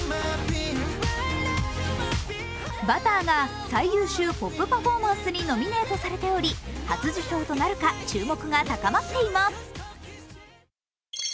「Ｂｕｔｔｅｒ」が最優秀ポップ・パフォーマンスにノミネートされており、初受賞となるか注目が高まっています。